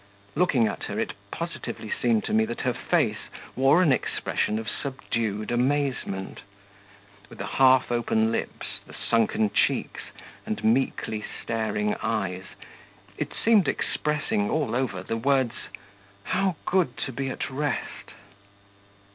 Looking at her, it positively seemed to me that her face wore an expression of subdued amazement; with the half open lips, the sunken cheeks, and meekly staring eyes, it seemed expressing, all over, the words, 'How good to be at rest!'